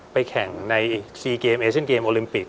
แข่งใน๔เกมเอเชียนเกมโอลิมปิก